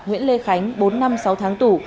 nguyễn lê khánh bốn năm sáu tháng tù